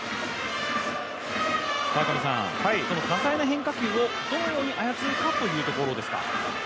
この多彩な変化球をどう操るかというところですか。